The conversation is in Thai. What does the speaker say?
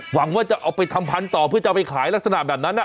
หวังว่าจะเอาไปทำพันธุ์ต่อเพื่อจะเอาไปขายลักษณะแบบนั้น